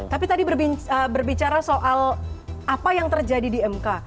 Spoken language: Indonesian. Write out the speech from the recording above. tapi tadi berbicara soal apa yang terjadi di mk